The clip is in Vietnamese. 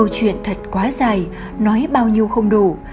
chuyện thật quá dài nói bao nhiêu không đủ